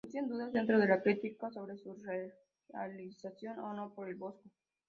Existen dudas dentro de la crítica sobre su realización o no por el Bosco.